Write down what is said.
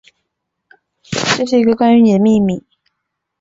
这是一个关于妳的秘密